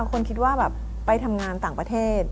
คนคิดว่าแบบไปทำงานต่างประเทศ